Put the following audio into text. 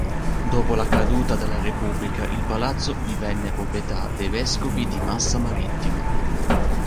Dopo la caduta della repubblica il palazzo divenne proprietà dei vescovi di Massa Marittima.